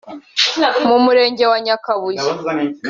mu murenge wa Nyakabuye